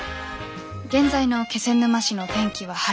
現在の気仙沼市の天気は晴れ。